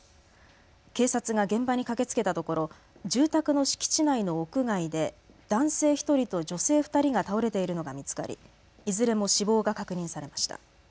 警察が現場に駆けつけたところ住宅の敷地内の屋外で男性１人と女性２人が倒れているのが見つかりいずれも死亡が確認されました。